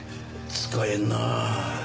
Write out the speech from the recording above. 使えんなあ。